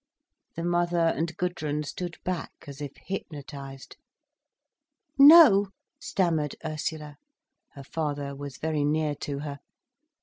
The mother and Gudrun stood back as if hypnotised. "No," stammered Ursula. Her father was very near to her.